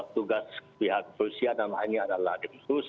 tugas pihak polisi dan lainnya adalah densus